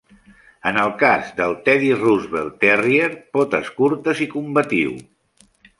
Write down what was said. En el cas del Teddy Roosevelt Terrier, "potes curtes i combatiu".